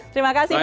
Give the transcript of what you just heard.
terima kasih pak